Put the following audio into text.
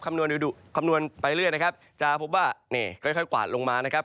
คำนวณไปเรื่อยนะครับจะพบว่านี่ค่อยกวาดลงมานะครับ